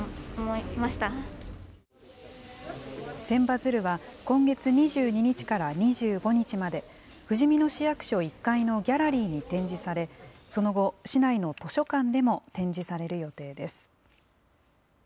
千羽鶴は、今月２２日から２５日まで、ふじみ野市役所１階のギャラリーに展示され、その後、市内の図書館でも展示される予定です。